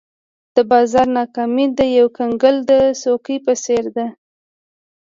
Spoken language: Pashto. د بازار ناکامي د یو کنګل د څوکې په څېر ده.